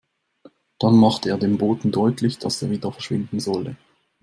Dann machte er dem Boten deutlich, dass er wieder verschwinden solle.